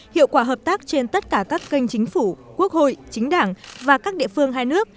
hiệu quả hợp tác trên tất cả các kênh chính phủ quốc hội chính đảng và các địa phương hai nước